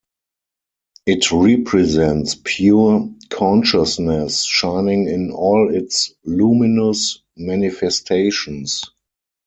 It represents pure consciousness shining in all its luminous manifestations.